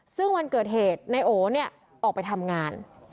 ซึ่งวันเกิดเหตุนายโอเนี่ยออกไปทำงาน